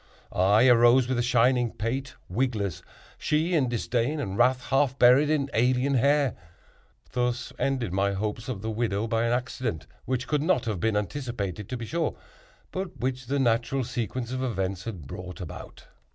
I arose with a shining pate, wigless; she in disdain and wrath, half buried in alien hair. Thus ended my hopes of the widow by an accident which could not have been anticipated, to be sure, but which the natural sequence of events had brought about.